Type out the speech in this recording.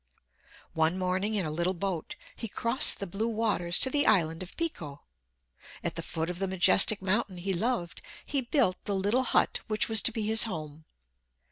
One morning in a little boat he crossed the blue waters to the island of Pico. At the foot of the majestic mountain he loved, he built the little hut which was to be his home.